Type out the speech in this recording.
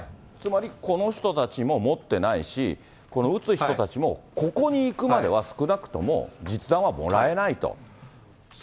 つまりこの人たちも持ってないし、この撃つ人たちもここにいくまでは少なくとも実弾はもらえないと。